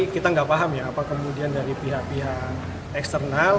kita nggak paham ya apa kemudian dari pihak pihak eksternal